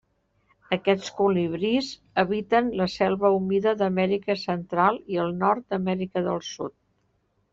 Aquests colibrís habiten la selva humida d'Amèrica Central i el nord d'Amèrica del Sud.